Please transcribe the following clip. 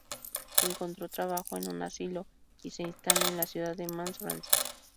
Encontró trabajo en un asilo y se instala en la ciudad de Mans, Francia.